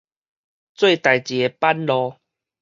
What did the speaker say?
做代誌的板路